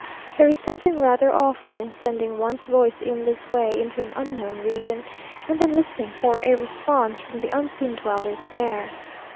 There is something rather awful in sending one's voice in this way into an unknown region, and then listening for a response from the unseen dwellers there.